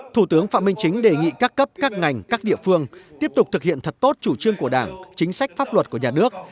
thủ tướng phạm minh chính đề nghị các cấp các ngành các địa phương tiếp tục thực hiện thật tốt chủ trương của đảng chính sách pháp luật của nhà nước